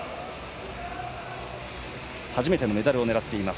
初めてのメダルを狙っています。